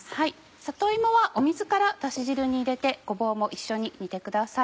里芋は水からだし汁に入れてごぼうも一緒に煮てください。